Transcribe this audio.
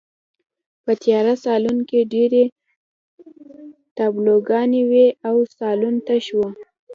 په تیاره سالون کې ډېرې تابلوګانې وې او سالون تش و